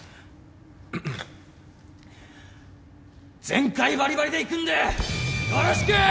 全開バリバリでいくんでよろしくー！